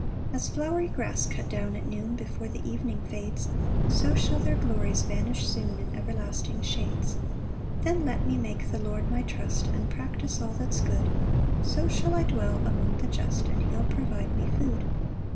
2 As flowery grass cut down at noon, Before the evening fades So shall their glories vanish soon In everlasting shades. 3 Then let me make the Lord my trust, And practise all that's good; So shall I dwell among the just, And he'll provide me food.